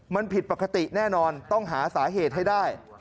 มันผิดปกติแน่นอนต้องหาสาเหตุให้ได้